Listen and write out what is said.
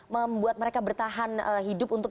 membuat mereka bertahan hidup untuk